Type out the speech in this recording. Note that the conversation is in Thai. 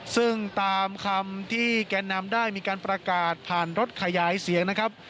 ซึ่งตามคำที่แกนนำได้มีการประกาศผ่านรถขยายเสียงนะครับ